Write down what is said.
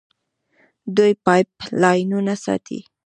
دوی پایپ لاینونه ساتي.